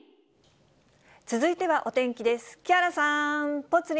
続いてはお天気です。